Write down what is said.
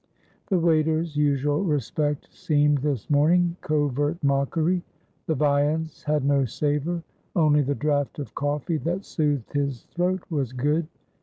The waiter's usual respect seemed, this morning, covert mockery. The viands had no savour; only the draught of coffee that soothed his throat was good.